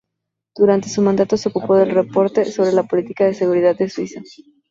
Durante su mandato se ocupó del reporte sobre la política de seguridad de Suiza.